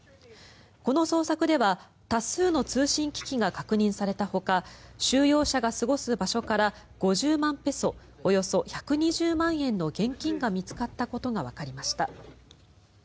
この捜索では多数の通信機器が確認されたほか収容者が過ごす場所から５０万ペソ、およそ１２０万円の現金が見つかったことがわかりました。